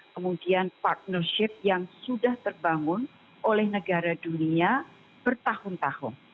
kemudian partnership yang sudah terbangun oleh negara dunia bertahun tahun